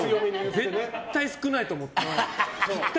絶対少ないと思った。